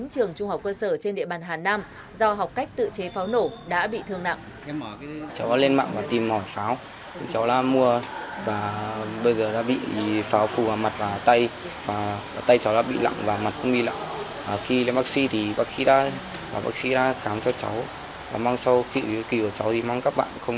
trường trung học cơ sở trên địa bàn hà nam do học cách tự chế pháo nổ đã bị thương nặng